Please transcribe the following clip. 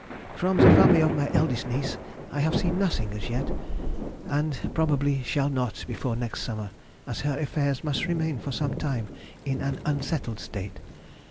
From the family of my eldest niece I have seen nothing as yet, and probably shall not before next summer, as her affairs must remain for some time in an unsettled state.